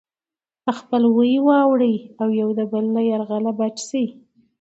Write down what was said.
په خپلوۍ واوړي او د يو بل له يرغله بچ شي.